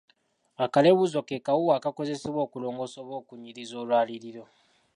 Akaleebuuzo ke kawuuwo akakozesebwa okulongoosa oba okunyiriza olwaliriro.